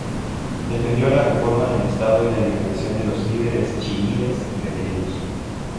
Defendió la reforma del estado y la liberación de los líderes chiíes detenidos.